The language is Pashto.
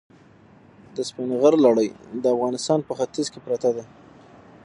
د سپین غر لړۍ د افغانستان په ختیځ کې پرته ده.